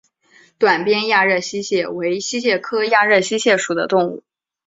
短鞭亚热溪蟹为溪蟹科亚热溪蟹属的动物。